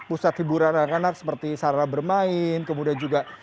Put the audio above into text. iya ibu ini terkait dengan sarana hiburan anak anak seperti sarana bermain kemudian juga